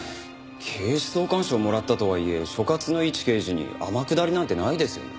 警視総監賞もらったとはいえ所轄のいち刑事に天下りなんてないですよね。